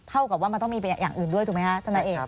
เท่ากับว่าที่มีอีกอย่างด้วยถูกมั้ยคะ